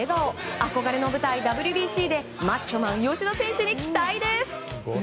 憧れの舞台ＷＢＣでマッチョマン吉田選手に期待です！